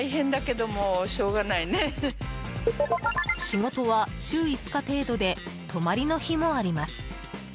仕事は週５日程度で泊まりの日もあります。